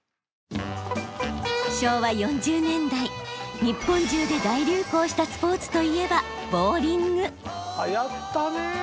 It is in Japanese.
昭和４０年代日本中で大流行したスポーツといえばはやったね！